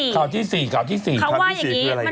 ข่าวที่๔ข่าวที่๔ข่าวที่๔คืออะไร